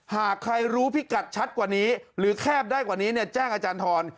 หากใครรู้พิกัดชัดกว่านี้หรือแคบได้กว่านี้เนี่ยแจ้งอาจารย์ทร